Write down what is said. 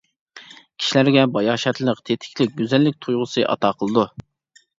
كىشىلەرگە باياشاتلىق، تېتىكلىك، گۈزەللىك تۇيغۇسى ئاتا قىلىدۇ.